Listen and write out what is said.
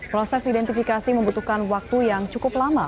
proses identifikasi membutuhkan waktu yang cukup lama